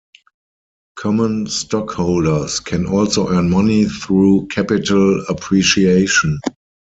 Common stockholders can also earn money through capital appreciation.